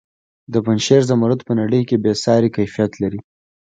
د پنجشیر زمرد په نړۍ کې بې ساري کیفیت لري.